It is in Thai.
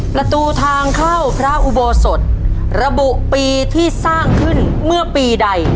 ประตูทางเข้าพระอุโบสถระบุปีที่สร้างขึ้นเมื่อปีใด